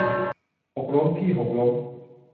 หกล้มพี่ หกล้ม